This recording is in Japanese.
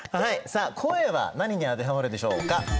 さあ声は何に当てはまるでしょうか？